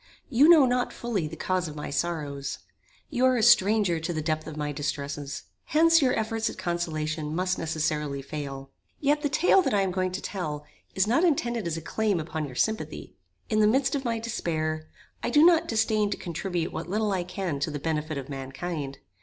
You know not fully the cause of my sorrows. You are a stranger to the depth of my distresses. Hence your efforts at consolation must necessarily fail. Yet the tale that I am going to tell is not intended as a claim upon your sympathy. In the midst of my despair, I do not disdain to contribute what little I can to the benefit of mankind.